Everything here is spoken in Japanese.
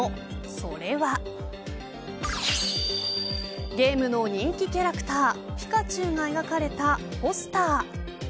それはゲームの人気キャラクターピカチュウが描かれたポスター。